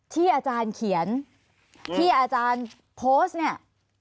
ที่อาจารย์เขียนที่อาจารย์โพสต์เนี่ย